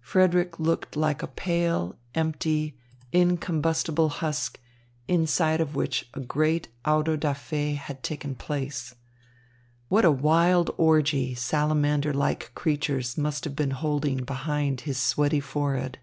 Frederick looked like a pale, empty, incombustible husk, inside of which a great auto da fé had taken place. What a wild orgy salamander like creatures must have been holding behind his sweaty forehead.